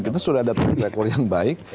kita sudah ada protokol yang baik